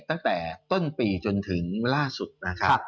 ตั้งแต่ต้นปีจนถึงล่าสุดนะครับ